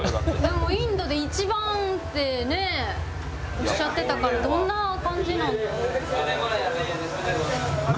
でもインドで一番ってねおっしゃってたからどんな感じなんだろう。